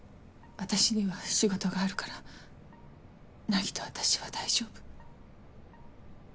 私には仕事があるから凪と私は大丈夫。